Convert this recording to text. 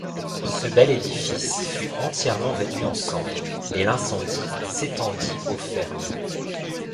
Ce bel édifice fut entièrement réduit en cendres, et l'incendie s'étendit aux fermes.